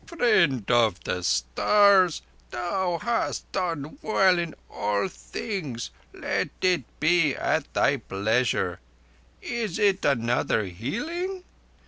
"Friend of the Stars, thou hast done well in all things. Let it be at thy pleasure. Is it another healing?"